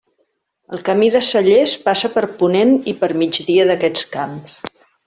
El Camí de Cellers passa per ponent i per migdia d'aquests camps.